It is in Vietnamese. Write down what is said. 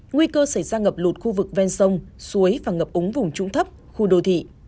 nguy cơ xảy ra ngập lụt khu vực ven sông suối và ngập úng vùng trũng thấp khu đô thị